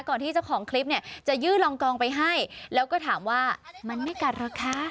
ที่เจ้าของคลิปเนี่ยจะยื่นรองกองไปให้แล้วก็ถามว่ามันไม่กัดเหรอคะ